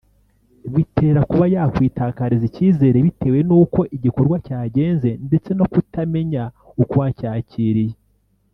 Bitera kuba yakwitakariza icyizere bitewe n’uko igikorwa cyagenze ndetse no kutamenya uko wacyakiriye